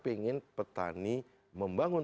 ingin petani membangun